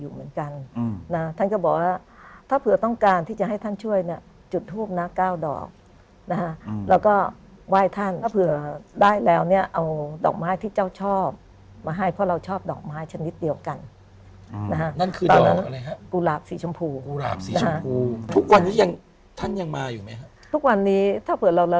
อยู่เหมือนกันนะท่านก็บอกว่าถ้าเผื่อต้องการที่จะให้ท่านช่วยเนี่ยจุดทูปนะเก้าดอกนะฮะแล้วก็ไหว้ท่านถ้าเผื่อได้แล้วเนี่ยเอาดอกไม้ที่เจ้าชอบมาให้เพราะเราชอบดอกไม้ชนิดเดียวกันนะฮะนั่นคืออะไรฮะกุหลาบสีชมพูกุหลาบสีนะฮะทุกวันนี้ยังท่านยังมาอยู่ไหมฮะทุกวันนี้ถ้าเผื่อเราระ